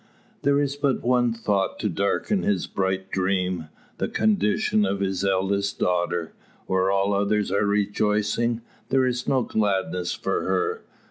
There is but one thought to darken this bright dream: the condition of his eldest daughter. Where all others are rejoicing, there is no gladness for her.